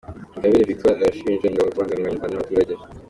Ingabire Victoire arashinja Ingabo kubangamira abanyarwanda n’abaturage.